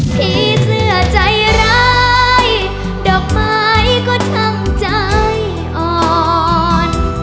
พี่เสื้อใจร้ายดอกไม้ก็ทำใจอ่อน